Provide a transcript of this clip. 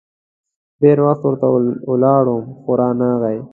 ډېر وخت ورته ولاړ وم ، خو رانه غی.